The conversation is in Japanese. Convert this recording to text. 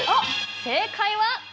正解は。